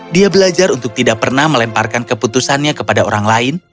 dia belajar untuk tidak pernah melemparkan keputusannya kepada orang lain